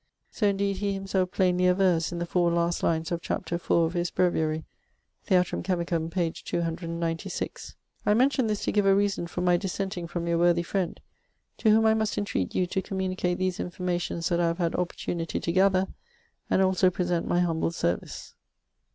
So indeed he himselfe plainly averres in the 4 last lines of chapter 4 of his Breviary (Theatrum Chemicum, p. 296). I mention this to give a reason for my dissenting from your worthy friend, to whome I must intreat you to communicate these informations that I have had opportunity to gather, and also present my humble service.